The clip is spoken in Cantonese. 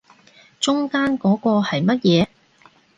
中間嗰個係乜嘢